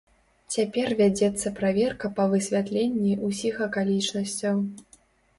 Цяпер вядзецца праверка па высвятленні ўсіх акалічнасцяў.